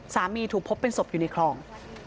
ถูกพบเป็นศพอยู่ในคลอง